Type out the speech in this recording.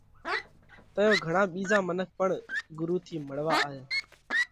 تئيون گھڻا ٻِيزا منک پڻ ڳرُو ٿِي مۯوا آيا۔